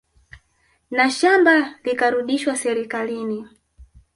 Na shamba likarudishwa serikalini